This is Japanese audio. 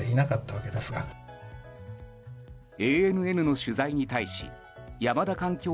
ＡＮＮの取材に対し山田環境